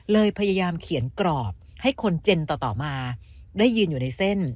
พยายามเขียนกรอบให้คนเจนต่อมาได้ยืนอยู่ในเส้น